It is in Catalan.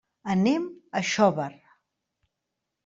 Anem a Xóvar.